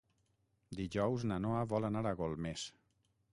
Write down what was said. Dijous na Noa vol anar a Golmés.